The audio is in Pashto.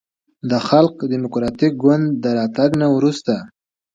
د خلق دیموکراتیک ګوند د راتګ نه وروسته